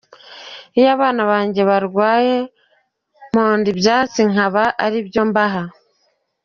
Iyo abana banjye barwaye mponda ibyasi nkaba ari byo mbaha.